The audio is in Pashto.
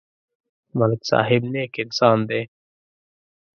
ملک صاحب نېک انسان دی.